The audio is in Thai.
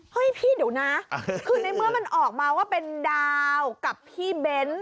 เฮ้ยพี่เดี๋ยวนะคือในเมื่อมันออกมาว่าเป็นดาวกับพี่เบ้น